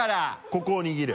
ここを握る？